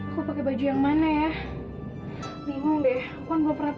sampai bila pun yang lain lihat dia artinya masih tak terkenal